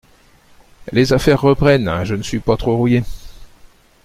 les affaires reprennent, je ne suis pas trop rouillé.